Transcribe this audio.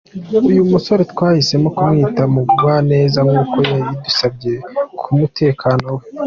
Uyu musore twahisemo kumwita Mugwaneza nk’uko yabidusabye ku bw’umutekano we.